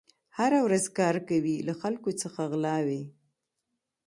هره ورځ کوي له خلکو څخه غلاوي